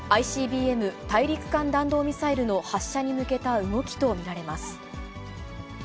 ＩＣＢＭ・大陸間弾道ミサイルの発射に向けた動きと見られます。